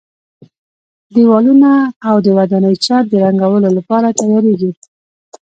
دېوالونه او د ودانۍ چت د رنګولو لپاره تیاریږي.